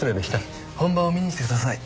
本番を見に来てください。